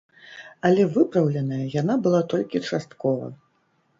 Але выпраўленая яна была толькі часткова.